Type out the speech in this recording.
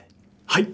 はい。